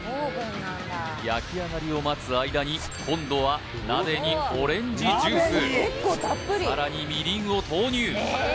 焼き上がりを待つ間に今度は鍋にオレンジジュースさらにみりんを投入